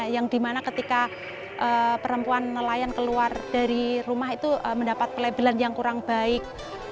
yang dimana ketika perempuan nelayan keluar dari rumah itu mendapat pelabelan yang kurang baik